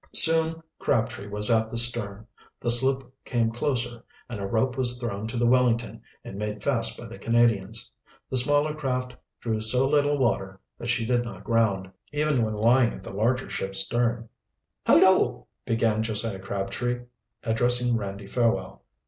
Soon Crabtree was at the stern. The sloop came closer, and a rope was thrown to the Wellington and made fast by the Canadians. The smaller craft drew so little water that she did not ground, even when lying at the larger ship's stern. "Hullo!" began Josiah Crabtree, addressing Randy Fairwell.